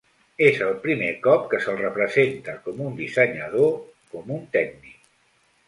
És el primer cop que se'l representa com un dissenyador, com un tècnic.